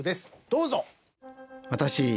どうぞ。